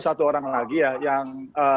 satu orang lagi ya yang